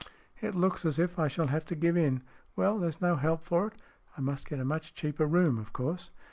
"It looks as if I shall have to give in. Well, there's no help for it. I must get a much cheaper room, of course."